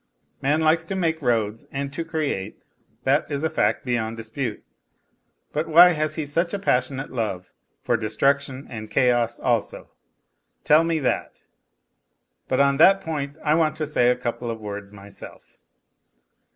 Man likes to make roads and to create, that is a fact beyond dispute. But why has he such a passionate love for destruction and chaos also ? Tell me that ! But on that point I want to say a couple of words myself.